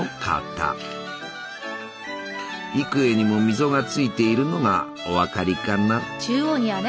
幾重にも溝がついているのがお分かりかな？